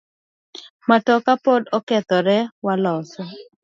Matoka pod okethore waloso.